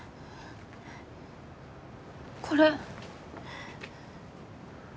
これ。